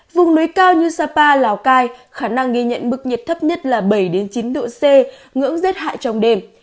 vùng núi cao như sapa lào cai khả năng ghi nhận mức nhiệt thấp nhất là bảy chín độ c ngưỡng rét hại trong đêm